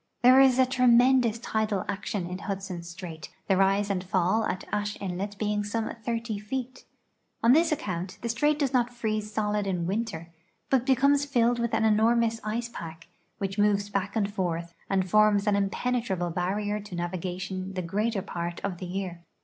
There is a tremen dous tidal action in Hudson strait, the rise and fall at Ashe inlet being some 30 feet. On this account the strait does not freeze solid in winter, but becomes filled with an enormous ice i)ack, which moves back and forth and forms an impenetrable barrier to navigation the greater ])art of the 3'ear.